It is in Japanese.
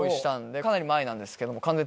かなり前なんですけど。